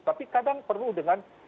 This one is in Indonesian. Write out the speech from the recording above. tapi kadang perlu dengan